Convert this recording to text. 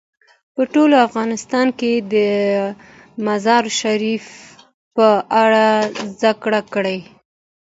په ټول افغانستان کې د مزارشریف په اړه زده کړه کېږي.